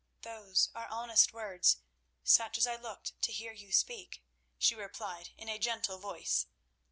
"Those are honest words, such as I looked to hear you speak," she replied in a gentle voice.